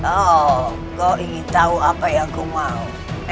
oh kau ingin tahu apa yang ku mau